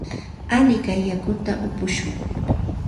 Alikay yakuta upushun.